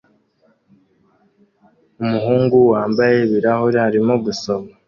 Umuhungu wambaye ibirahure arimo gusoma